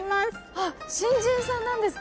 あっ新人さんなんですか？